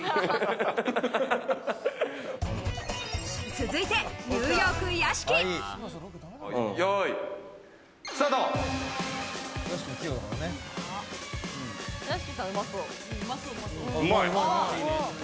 続いて、ニューヨーク・屋敷。